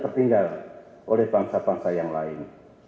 tertinggal oleh bangsa bangsa yang lain